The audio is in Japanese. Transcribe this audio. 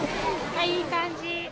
いい感じ。